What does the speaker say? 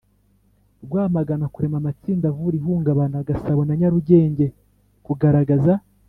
Rwamagana kurema amatsinda avura ihungabana Gasabo na Nyarugenge kugaragaza